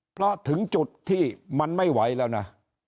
เพราะถึงจุดที่มันไม่ไหวแล้วนะ